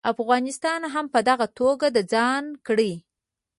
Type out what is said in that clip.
افغانستان هم په دغه توګه د ځان کړي.